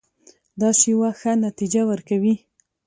دا شیوه ښه نتیجه ورکوي.